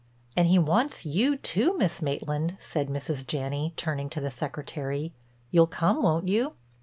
"And he wants you too, Miss Maitland," said Mrs. Janney, turning to the Secretary. "You'll come, won't you?"